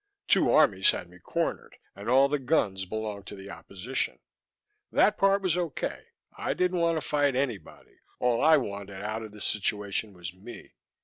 Two armies had me cornered, and all the guns belonged to the opposition. That part was okay; I didn't want to fight anybody. All I wanted out of this situation was me.